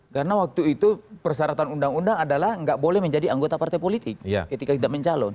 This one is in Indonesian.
karena waktu itu persyaratan undang undang adalah nggak boleh menjadi anggota partai politik ketika kita mencalon